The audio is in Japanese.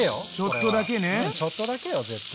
ちょっとだけよ絶対。